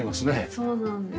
そうなんです。